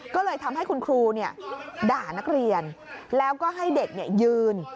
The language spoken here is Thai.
ก็เลยทำให้คุณครูด่านักเรียนแล้วก็ให้เด็กยืน